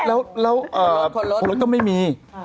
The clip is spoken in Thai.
แล้วคนรถก็ไม่มี